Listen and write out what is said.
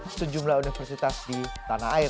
sejumlah universitas di tanah air